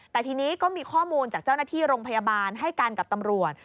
แต่ทีนี้ก็มีข้อมูลจากเจ้าหน้าที่โรงพยาบาลให้กันกับตำรวจ